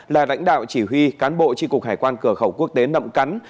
là lãnh đạo chỉ huy cán bộ tri cục hải quan cửa khẩu quốc tế nậm cắn